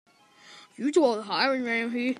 You do all the hiring around here.